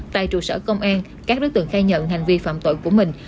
tại trụ sở công an các đối tượng khai nhận hành vi phạm tội của mình